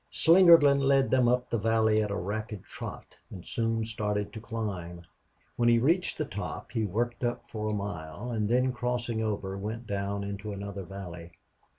Slingerland led them up the valley at a rapid trot and soon started to climb. When he reached the top he worked up for a mile, and then, crossing over, went down into another valley.